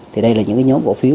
thì đây là những nhóm cổ phiếu